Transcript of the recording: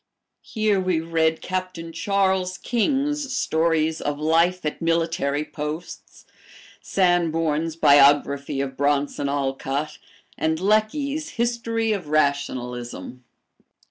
Here we read Captain Charles King's stories of life at military posts, Sanborn's "Biography of Bronson Alcott," and Lecky's "History of Rationalism."